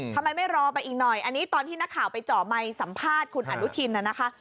ทำไมไม่รอไปอีกหน่อยอันนี้ตอนที่นักข่าวไปเจาะไมค์สัมภาษณ์คุณอนุทินน่ะนะคะ